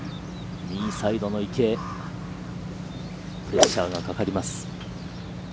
右サイドの池、プレッシャーがかかります。